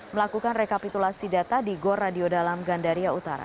melakukan rekapitulasi data di gor radio dalam gandaria utara